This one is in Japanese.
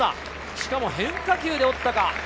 しかも変化球で折ったか？